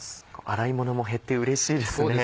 洗い物も減ってうれしいですね。